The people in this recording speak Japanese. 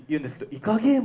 イカゲーム。